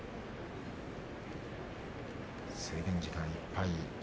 制限時間いっぱい。